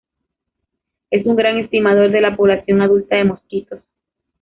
Es un gran estimador de la población adulta de mosquitos.